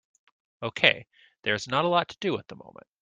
Okay, there is not a lot to do at the moment.